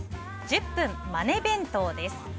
１０分マネ弁当です。